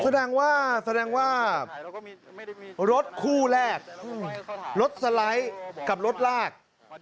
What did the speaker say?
แสดงว่าแสดงว่ารถคู่แรกรถสไลด์กับรถลาก